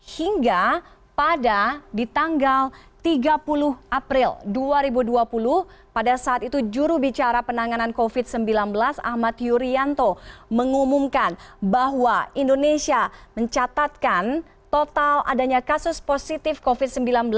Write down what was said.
hingga pada di tanggal tiga puluh april dua ribu dua puluh pada saat itu jurubicara penanganan covid sembilan belas ahmad yuryanto mengumumkan bahwa indonesia mencatatkan total adanya kasus positif covid sembilan belas